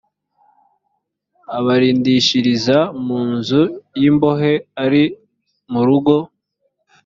abarindishiriza mu nzu y imbohe iri mu rugo